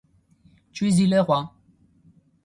Choisy-le-Roi.